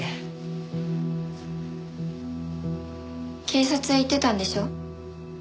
警察へ行ってたんでしょ？